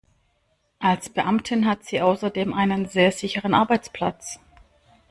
Als Beamtin hat sie außerdem einen sehr sicheren Arbeitsplatz.